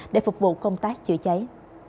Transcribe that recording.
để phục vụ công tác chữa cháy